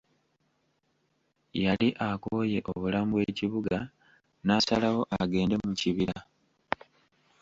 Yali akooye obulamu bw'ekibuga n'asalawo agende mu kibira.